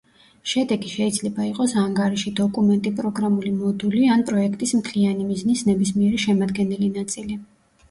შედეგი შეიძლება იყოს ანგარიში, დოკუმენტი, პროგრამული მოდული ან პროექტის მთლიანი მიზნის ნებისმიერი შემადგენელი ნაწილი.